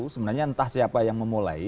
sebenarnya entah siapa yang memulai